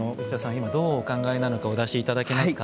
今どうお考えなのかお出し頂けますか。